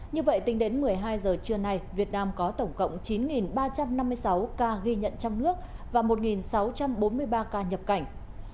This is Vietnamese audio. như vậy tính đến một mươi hai giờ trưa nay việt nam có tổng cộng chín ba trăm năm mươi sáu ca ghi nhận trong nước và một sáu trăm bốn mươi ba ca nhập cảnh